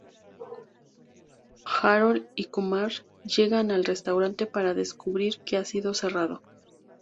Harold y Kumar llegan al restaurante para descubrir que ha sido cerrado.